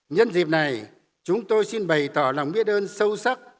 nhân dịp này chúng tôi xin bày tỏ lòng biết ơn sâu sắc